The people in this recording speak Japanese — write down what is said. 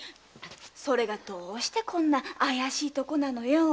それがどうしてこんな怪しいとこなのよ？